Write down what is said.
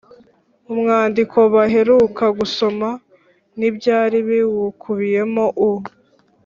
umwandiko baheruka gusoma n’ibyari biwukubiyemo. U